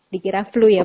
dikira flu ya pak